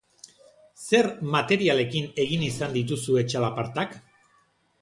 Zer materialekin egin izan dituzue txalapartak?